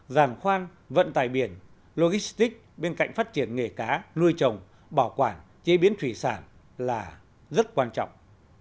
giàn khoan vận tài biển logistic bên cạnh phát triển nghề cá nuôi trồng bảo quản chế biến thủy sản là rất quan trọng